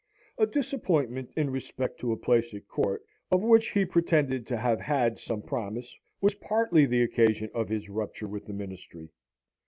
A disappointment in respect to a place at court, of which he pretended to have had some promise, was partly the occasion of his rupture with the Ministry.